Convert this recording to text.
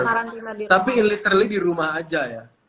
benar tapi literally di rumah aja ya